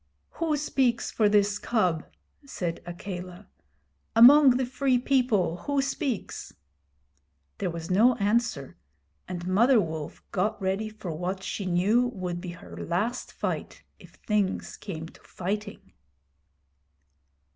'Who speaks for this cub?' said Akela. 'Among the Free People who speaks?' There was no answer, and Mother Wolf got ready for what she knew would be her last fight, if things came to fighting.